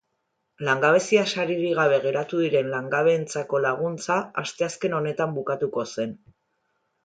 Langabezia saririk gabe geratu diren langabeentzako laguntza asteazken honetan bukatuko zen.